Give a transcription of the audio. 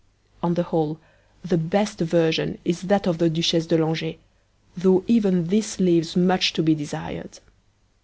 On the whole, the best version is that of the Duchesse de Langeais, though even this leaves much to be desired.